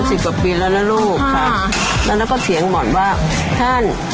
สิบกว่าปีแล้วนะลูกค่ะแล้วแล้วก็เสียงบ่อนว่าท่าน